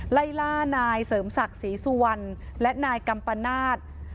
ไล่ล่านายเสริมศักดิ์ศรีสุวรรณและนายกัมปนาศ